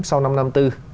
sau năm năm tư